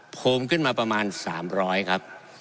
ภูมิขึ้นมาประมาณ๓๐๐ครับ